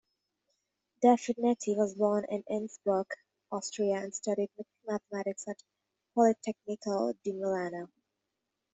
De Finetti was born in Innsbruck, Austria and studied mathematics at Politecnico di Milano.